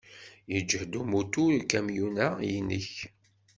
Yeǧhed umutur ukamyun-a-inek.